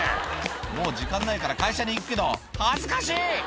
「もう時間ないから会社に行くけど恥ずかしい！」